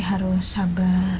dan untuk membuat saya lebih baik